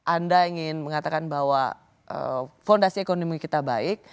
anda ingin mengatakan bahwa fondasi ekonomi kita baik